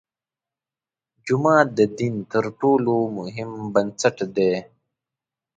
جومات د دین تر ټولو مهم بنسټ دی.